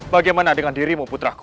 bagaimana dengan dirimu putraku